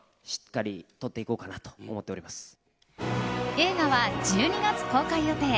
映画は１２月公開予定。